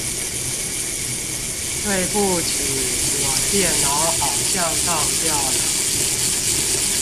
對不起我電腦好像當掉了